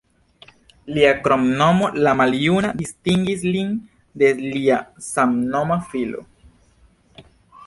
Lia kromnomo "la maljuna" distingis lin de lia samnoma filo.